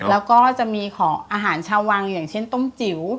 แล้วก็จะมีของอาหารชาววังอย่างเช่นต้มจิ๋ว